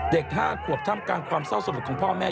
เด็กห้าขวบทำการความเศร้าสมุดของพ่อแม่